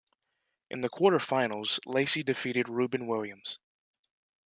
In the quarter-finals, Lacy defeated Rubin Williams.